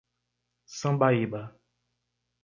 Sambaíba